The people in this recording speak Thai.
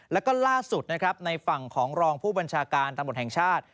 แล้วก็ล่าสุดนะครับในฝั่งของรองผู้บัญชาการตำรวจแห่งชาติ